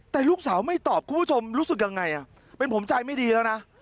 แต่ลูกสาวไม่ตอบคุณผู้ชมรู้สึกยังไงเป็นผมใจไม่ดีแล้วนะ